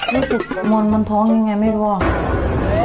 นี่มันมนทองยังไงไม่รู้ว่า